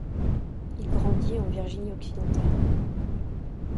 Il grandit en Virginie-Occidentale.